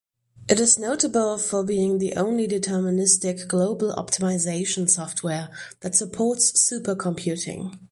It is notable for being the only deterministic global optimisation software that supports supercomputing.